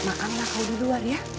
makanlah kalau di luar ya